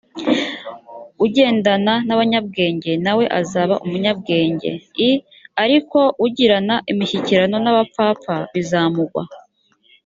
ugendana n abanyabwenge na we azaba umunyabwenge i ariko ugirana imishyikirano n abapfapfa bizamugwa